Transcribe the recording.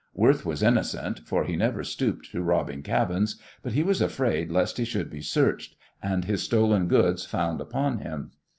Worth was innocent, for he never stooped to robbing cabins, but he was afraid lest he should be searched and his stolen goods found upon him.